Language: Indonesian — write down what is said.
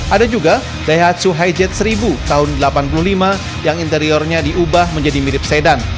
ada juga daihatsu hai jet seribu tahun seribu sembilan ratus delapan puluh lima yang interiornya diubah menjadi mirip sedan